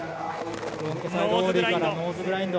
ノーズグラインド。